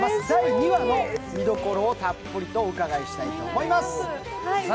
第２話の見どころをたっぷりお伺いしたいと思います。